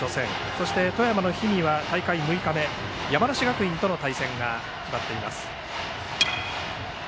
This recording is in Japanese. そして富山の氷見は大会６日目山梨学院との対戦が決まっています。